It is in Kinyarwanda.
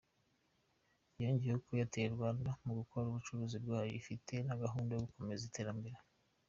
Yongeyeho ko Airtel Rwanda mu gukora ubucuruzi bwayo ifite na gahunda zo gukomeza iterambere.